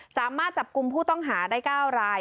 สามารถจับกลุ่มผู้ต้องหาได้๙ราย